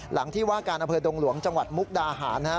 หลังที่ว่าการอำเภอดงหลวงจังหวัดมุกดาหารนะครับ